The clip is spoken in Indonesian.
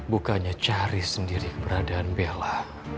bukannya cari sendiri keberadaan bella